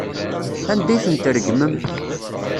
Anda ay ten-tregmem?